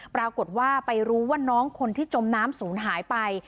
ปรากฏว่าไปรู้ว่าน้องคนที่จมน้ำศูนย์หายไป